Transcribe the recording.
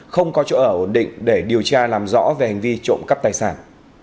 không có chỗ ở ổn định để điều tra làm rõ về hành vi trộm cắp tài sản